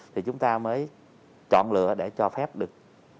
thì chúng ta mới chọn lựa để cho phép được